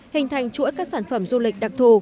hình thành chuỗi các sản phẩm du lịch đặc thù